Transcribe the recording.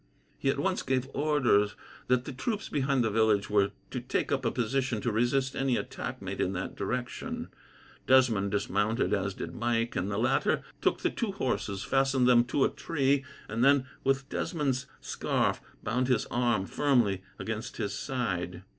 He at once gave orders that the troops behind the village were to take up a position to resist any attack made in that direction. Desmond dismounted, as did Mike, and the latter took the two horses, fastened them to a tree, and then, with Desmond's scarf, bound his arm firmly against his side.